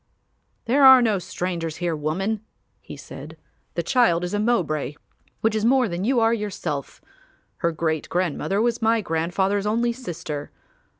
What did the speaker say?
"There are no strangers here, woman," he said. "The child is a Mowbray which is more than you are yourself; her great grandmother was my grandfather's only sister.